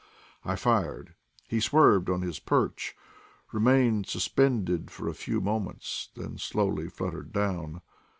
I fired; he swerved on his perch, remained suspended for a few mo ments, then slowly fluttered down.